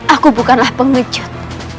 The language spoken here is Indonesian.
aku bukanlah pengecut